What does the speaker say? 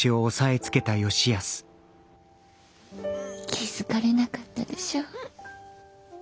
気付かれなかったでしょう？